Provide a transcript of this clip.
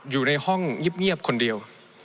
อยู่ในห้องเงียบคนเดียว